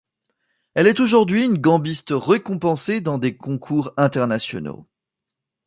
Elle est aujourd'hui une gambiste récompensée dans des concours internationaux.